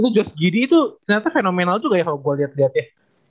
itu josh giddy itu ternyata fenomenal juga ya kalau gue liat liat ya